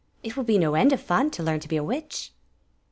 It will be no end of fun to learn to be a witch."